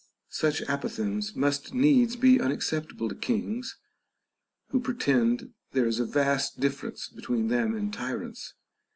Such apo phthegms must needs be unacceptable to kings, who pretend there is vast difference between them and tyrants.